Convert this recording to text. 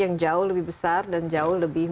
yang jauh lebih besar dan jauh lebih